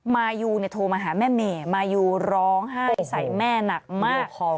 มายูโทรมาหาแม่เมมายูร้องไห้ใส่แม่หนักมาก